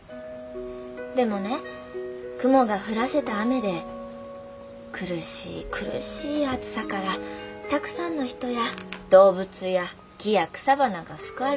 でもね雲が降らせた雨で苦しい苦しい暑さからたくさんの人や動物や木や草花が救われたのよ。